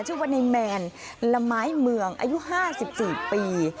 ชื่อว่าในแมนละไม้เมืองอายุ๕๔ปี